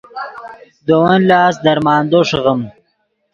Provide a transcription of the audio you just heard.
دے ون لاست درمندو ݰیغیم